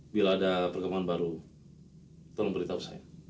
bila ada perkembangan baru tolong beritahu saya